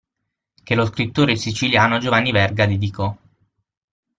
Che lo scrittore siciliano Giovanni Verga dedicò.